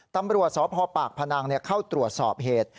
ตำรวจสพปากพนังเข้าตรวจสอบเหตุ